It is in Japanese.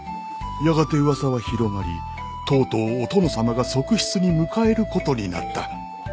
やがて噂は広まりとうとうお殿様が側室に迎えることになった。